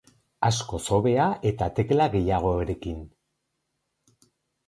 Askoz hobea eta tekla gehiagorekin.